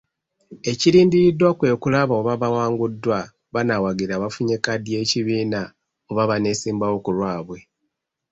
Ekirindiriddwa kwe kulaba oba abawanguddwa banaawagira abafunye kkaadi y'ekibiina oba baneesimbawo ku lwabwe.